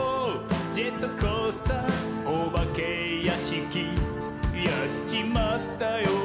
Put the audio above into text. ジェットコースターおばけやしき」「やっちまったよ！